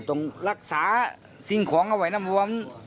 ต้องรักษาสิ่งของเอาไว้น้ำวม